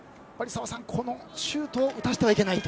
澤さん、このシュートを打たせてはいけないと。